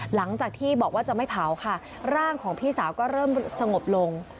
หลังจากที่บอกว่าจะไม่เผาค่ะร่างของพี่สาวก็เริ่มสงบลง